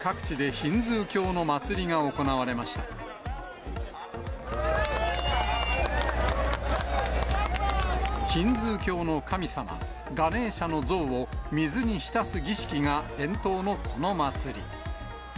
ヒンドゥー教の神様、ガネーシャの像を、水に浸す儀式が伝統のこの祭り。